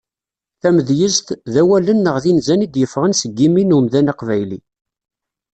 Tamedyezt, d awalen neɣ d inzan i d-yeffɣen seg yimi n umdan aqbayli.